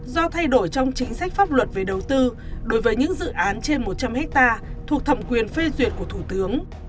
do thay đổi trong chính sách pháp luật về đầu tư đối với những dự án trên một trăm linh hectare thuộc thẩm quyền phê duyệt của thủ tướng